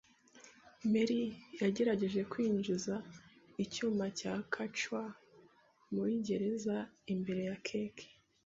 Mary yagerageje kwinjiza icyuma cya hackaw muri gereza imbere ya keke.